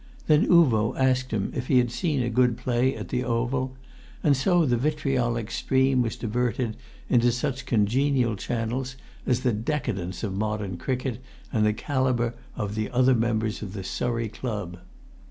Then Uvo asked him if he had seen good play at the Oval; and so the vitriolic stream was diverted into such congenial channels as the decadence of modern cricket and the calibre of the other members of the Surrey Club.